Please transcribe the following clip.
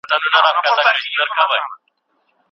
په دلارام کي د برښنا سیستم اوس ښه سوی دی